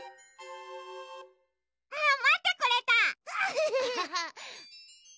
あっまってくれた！